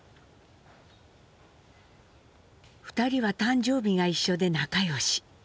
２人は誕生日が一緒で仲良し。